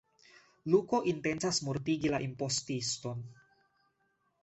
Luko intencas mortigi la impostiston.